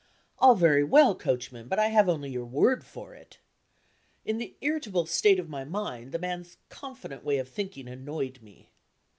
"All very well, coachman; but I have only your word for it." In the irritable state of my mind, the man's confident way of thinking annoyed me.